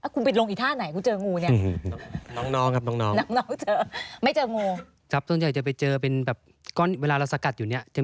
คุณไปลงอีกท่าไหนคุณเจองูเนี่ย